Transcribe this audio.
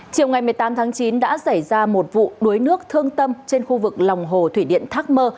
chiều ngày một mươi tám tháng chín đã xảy ra một vụ đuối nước thương tâm trên khu vực lòng hồ thủy điện thác mơ